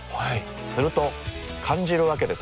すると感じるわけです。